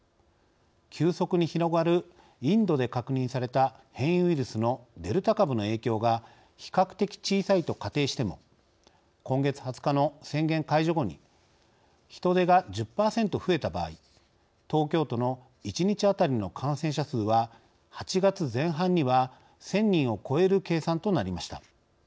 急速に広がるインドで確認された変異ウイルスのデルタ株の影響が比較的小さいと仮定しても今月２０日の宣言解除後に人出が１０％増えた場合東京都の１日当たりの感染者数は８月前半には１，０００人を超える計算となりました。